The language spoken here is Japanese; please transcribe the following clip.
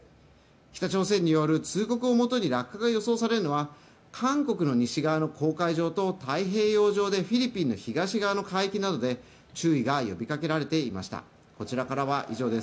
北朝鮮による通告をもとに落下が予想されるのは韓国の西側の黄海上と太平洋上でフィリピンの東の海域などで注意が呼びかけられていました。